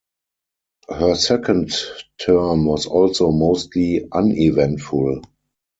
Her second term was also mostly uneventful.